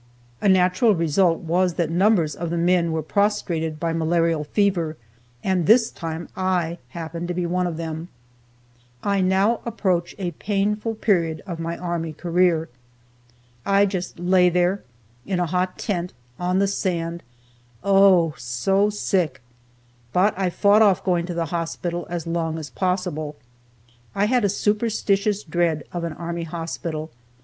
A natural result was that numbers of the men were prostrated by malarial fever, and this time I happened to be one of them. I now approach a painful period of my army career. I just lay there, in a hot tent, on the sand, oh, so sick! But I fought off going to the hospital as long as possible. I had a superstitious dread of an army hospital.